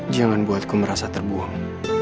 jangan buat ku merasa terbuang